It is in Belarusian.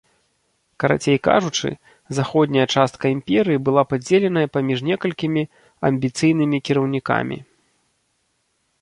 Карацей кажучы, заходняя частка імперыі была падзеленая паміж некалькімі амбіцыйнымі кіраўнікамі.